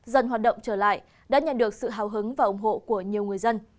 dần hoạt động trở lại đã nhận được sự hào hứng và ủng hộ của nhiều người dân